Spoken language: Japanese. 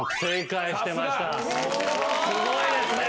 すごいですね。